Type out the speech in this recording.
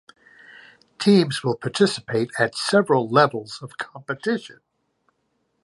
Teams will participate at several levels of competition.